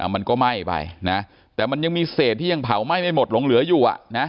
มันก็ไหม้ไปนะแต่มันยังมีเศษที่ยังเผาไหม้ไม่หมดหลงเหลืออยู่